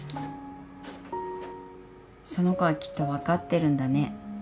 その子はきっと分かってるんだね。